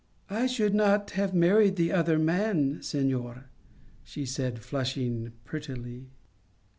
" I should not have married the other man, senor," she said, flushing prettily.